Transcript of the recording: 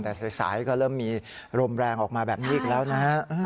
แต่สายก็เริ่มมีลมแรงออกมาแบบนี้อีกแล้วนะฮะ